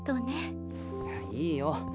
いいよ。